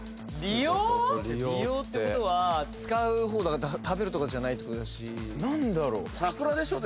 利用ってことは使う方だから食べるとかじゃないってことだし何だろうさくらでしょ？